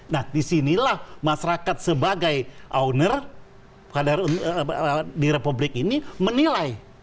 dan inilah masyarakat sebagai owner di republik ini menilai